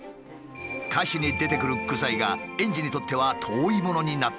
歌詞に出てくる具材が園児にとっては遠いものになってしまった。